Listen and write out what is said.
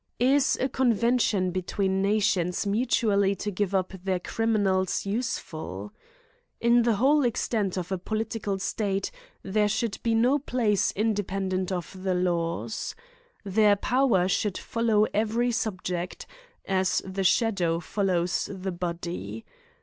Is a convention between nations mutually to give up their criminals useful? In the whole extent of a political state there should be no place independent of the laws. Their power should follow every subject, as the shadow follows the body.